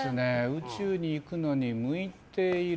宇宙に行くのに向いている。